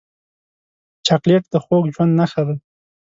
چاکلېټ د خوږ ژوند نښه ده.